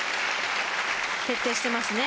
徹底していますね。